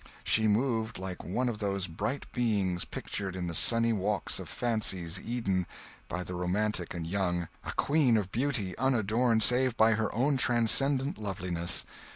She moved like one of those bright beings pictured in the sunny walks of fancy's Eden by the romantic and young, a queen of beauty unadorned save by her own transcendent loveliness.